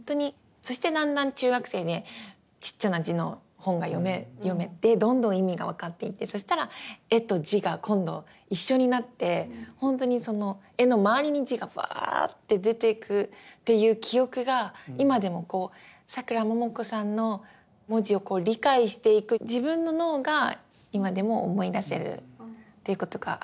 そしてだんだん中学生でちっちゃな字の本が読めてどんどん意味が分かっていってそしたら絵と字が今度一緒になってほんとにその絵の周りに字がばあって出ていくっていう記憶が今でもこうさくらももこさんの文字を理解していく自分の脳が今でも思い出せるっていうことがあるぐらいの人です。